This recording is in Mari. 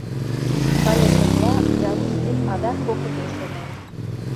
Кайышыжла, Ярускин адак кокыте шонен: